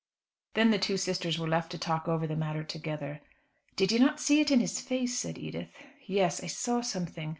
Then the two sisters were left to talk over the matter together. "Did you not see it in his face?" said Edith. "Yes, I saw something.